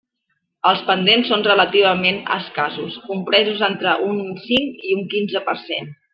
Els pendents són relativament escassos, compresos entre un cinc i un quinze per cent.